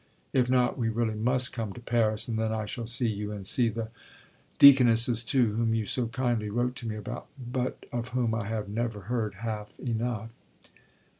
If not, we really must come to Paris and then I shall see you, and see the Deaconesses too, whom you so kindly wrote to me about, but of whom I have never heard half enough....